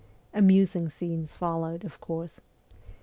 Amusing scenes followed, of course.